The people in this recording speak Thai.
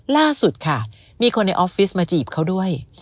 ล่าสุดค่ะมีคนในออฟฟิศมาจีบเขาด้วย